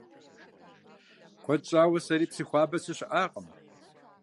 Куэд щӀауэ сэри Псыхуабэ сыщыӀакъым.